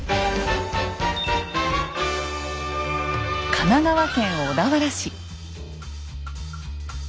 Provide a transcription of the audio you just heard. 神奈川県小田原市。